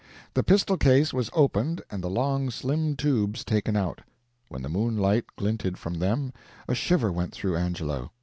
The pistol case was opened and the long slim tubes taken out; when the moonlight glinted from them a shiver went through Angelo.